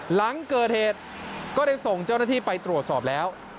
หลังเกิดเหตุก็ได้ส่งเจ้าหน้าที่ไปตรวจสอบแล้ว